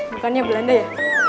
bukannya belanda ya